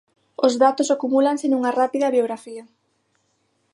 Os datos acumúlanse nunha rápida biografía.